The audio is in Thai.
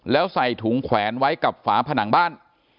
แล้วใส่ถุงแขวนไว้กับฝาผนังบ้าน